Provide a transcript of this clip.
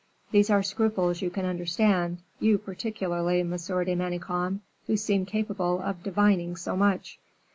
These are scruples you can understand you particularly, Monsieur de Manicamp, who seem capable of divining so much."